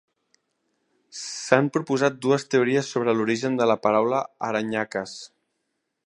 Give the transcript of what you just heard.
S'han proposat dues teories sobre l'origen de la paraula "Aranyakas".